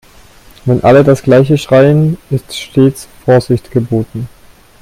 Wenn alle das gleiche schreien, ist stets Vorsicht geboten.